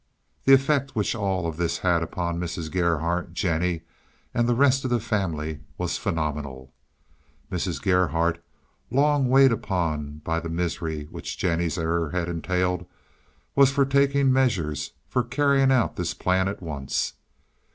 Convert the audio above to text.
The effect which all this had upon Mrs. Gerhardt, Jennie, and the rest of the family was phenomenal. Mrs. Gerhardt, long weighed upon by the misery which Jennie's error had entailed, was for taking measures for carrying out this plan at once.